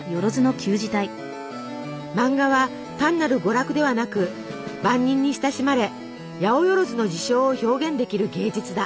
マンガは単なる娯楽ではなく万人に親しまれやおよろずの事象を表現できる芸術だ。